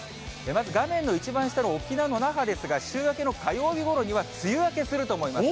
まず画面の一番下の沖縄の那覇ですが、週明けの火曜日ごろには梅雨明けすると思います。